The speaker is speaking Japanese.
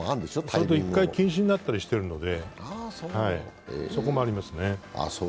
それと、１回禁止になったりしてるのでそこもありますね。